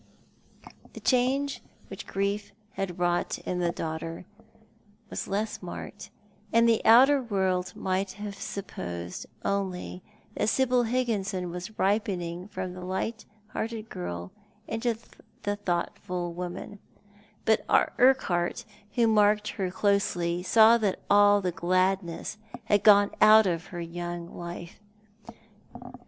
The change which grief had wrought in the daughter was less marked, and the outer world might have supposed only that Sibyl Higginson was ripening from the light hearted girl into the thoughtful woman ; but Urqiihart, who marked her closely, saw that all the gladness had gone out of her young life.